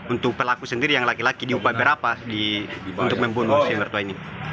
untuk pelaku sendiri yang laki laki diubah berapa untuk membunuh si mertua ini